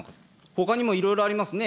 ほかにもいろいろありますね。